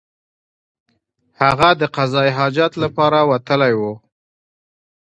هغه د قضای حاجت لپاره وتلی وو.